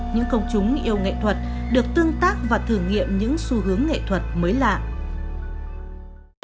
những công chúng yêu nghệ thuật được tương tác và thử nghiệm những xu hướng nghệ thuật mới lạ